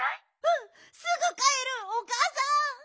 うんすぐかえるおかあさん！